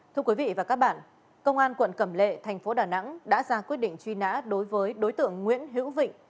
thưa quý vị và các bạn công an quận cẩm lệ thành phố đà nẵng đã ra quyết định truy nã đối với đối tượng nguyễn hữu vịnh